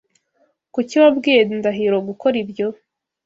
Kuki wabwiye Ndahiro gukora ibyo?